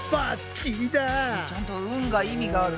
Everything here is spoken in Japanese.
ちゃんと「うん」が意味がある。